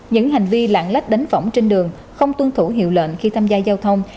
những hành vi lạng lách đánh võng trên đường không tuân thủ hiệu lệnh khi tham gia giao thông